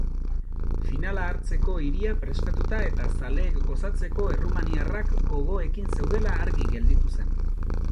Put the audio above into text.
Finala hartzeko hiria prestatuta eta zaleek gozatzeko errumaniarrak gogoekin zeudela argi gelditu zen.